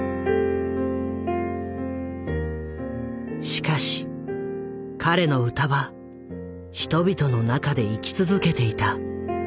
しかし彼の歌は人々の中で生き続けていた。